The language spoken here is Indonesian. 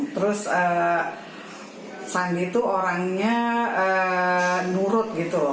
terus sandi itu orangnya nurut gitu loh